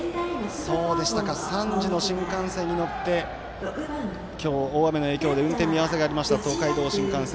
３時の新幹線に乗って今日、大雨の影響で運転の見合わせがあった東海道新幹線。